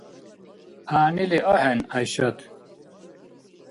- ГӀягӀнили axӀeн, ГӀяйшат